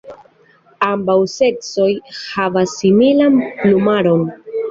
Ambaŭ seksoj havas similan plumaron.